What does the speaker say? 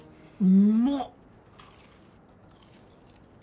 うまっ！